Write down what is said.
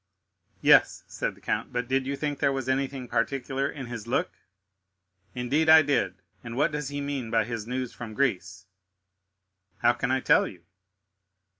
"Yes," said the count; "but did you think there was anything particular in his look?" "Indeed, I did; and what does he mean by his news from Greece?" "How can I tell you?"